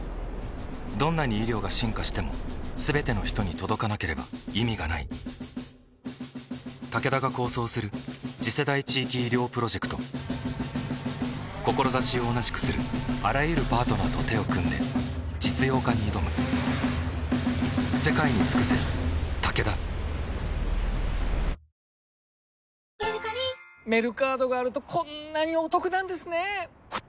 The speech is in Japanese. どんなに医療が進化しても全ての人に届かなければ意味がないタケダが構想する次世代地域医療プロジェクト志を同じくするあらゆるパートナーと手を組んで実用化に挑むもしもーしおかわりくださる？